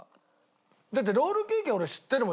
だってロールケーキは俺知ってるもん。